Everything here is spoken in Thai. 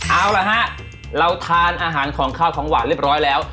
เอาละฮะเราทานอาหารของข้าวของหวานเรียบร้อยแล้ว